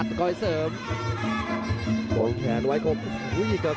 โหโหโหโหโหโหโหโหโหโหโหโหโหโห